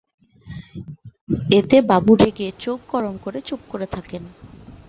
এতে বাবু রেগে চোখ গরম করে চুপ করে থাকেন।